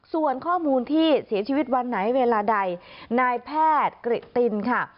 ส่วนข้อมูลที่เสียชีวิตวันไหนเวลาใดนายแพทย์กริตตินค่ะ